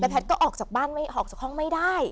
แพทย์ก็ออกจากบ้านไม่ออกจากห้องไม่ได้